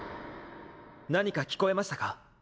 何か聞こえましたか？